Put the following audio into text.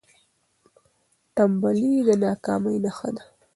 ټنبلي د ناکامۍ نښه ده.